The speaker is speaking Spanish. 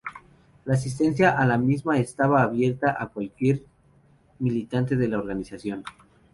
La asistencia a la misma estaba abierta a cualquier militante de la organización.